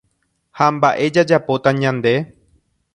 Ha mba'e jajapóta ñande.